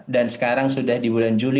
dan sekarang sudah di bulan juli